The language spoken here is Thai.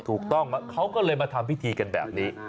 ถูกต้องเขาก็เลยมาทำพิธีกันแบบนี้